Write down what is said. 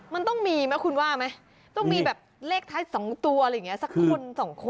มันต้องมีมั้ยคุณว่าไหมต้องมีแบบเลขท้ายสองตัวสักคนสองคน